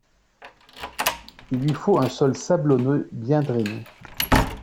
Il lui faut un sol sablonneux bien drainé.